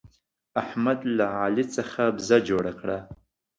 احمد له علي څخه بزه جوړه کړه.